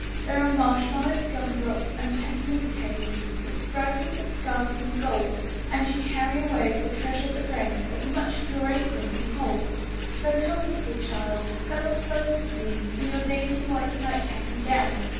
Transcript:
There are marshmallows, gumdrops, and peppermint canes With stripings of scarlet or gold, And you carry away of the treasure that rains, As much as your apron can hold: So come, little child, cuddle closer to me In your dainty white nightcap and gown.